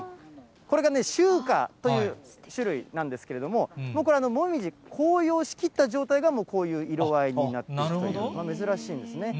これが秋華という種類なんですけれども、これはもみじ、紅葉しきった状態が、こういう色合いになっているという、珍しいんですね。